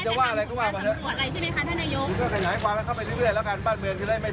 แต่ว่าไม่ได้ส่งสะยานไปเตือนนักภวกท่านวิชาการ